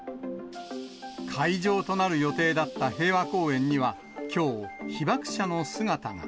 会場となる予定だった平和公園には、きょう、被爆者の姿が。